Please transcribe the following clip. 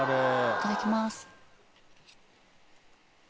いただきます。